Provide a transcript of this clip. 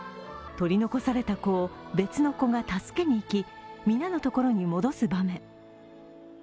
取り残された子を別の子が助けに行き、みんなのところに戻す場面。